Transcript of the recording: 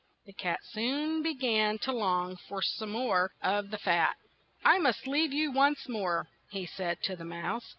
The cat soon be gan to long for some more of the fat. "I must leave you once more," he said to the mouse.